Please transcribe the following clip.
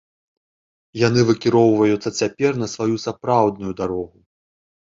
Яны выкіроўваюцца цяпер на сваю сапраўдную дарогу.